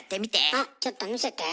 あっちょっと見せて。